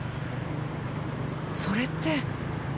それって。